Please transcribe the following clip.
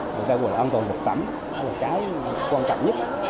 đây là quần an toàn thực phẩm cái quan trọng nhất